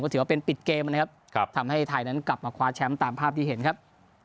ถือว่าเป็นปิดเกมนะครับทำให้ไทยนั้นกลับมาคว้าแชมป์ตามภาพที่เห็นครับ